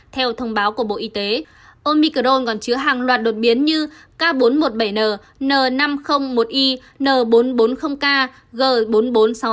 theo thông báo của bộ y tế omicron còn chứa hàng loạt đột biến như k bốn trăm một mươi bảy n n năm trăm linh một i n bốn trăm bốn mươi k g bốn trăm bốn mươi sáu s